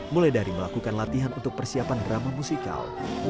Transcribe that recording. mulai dari melakukan latihan untuk persiapan drama musikal